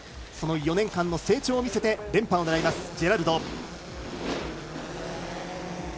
その４年間の成長を見せて連覇を狙います。